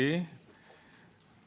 yang berpangkat parti